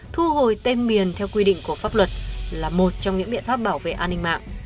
thu hồi tên miền theo quy định của pháp luật là một trong những biện pháp bảo vệ an ninh mạng